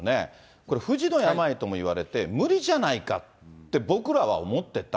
これ、不治の病ともいわれて、無理じゃないかって僕らは思ってた。